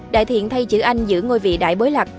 đại thiện thay chữ anh giữ ngôi vị đại bối lạc